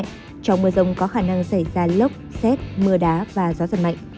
trong mưa rông có khả năng xảy ra lốc xét mưa đá và gió giật mạnh